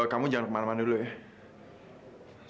kamu jangan kemana mana dulu ya